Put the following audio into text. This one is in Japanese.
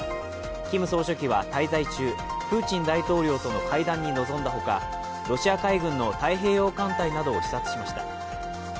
キム総書記は滞在中、プーチン大統領との会談に臨んだほかロシア海軍の太平洋艦隊などを視察しました。